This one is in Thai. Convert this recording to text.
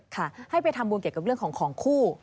ค่ะให้ไปทำบุญเกี่ยวกับเรื่องของของคู่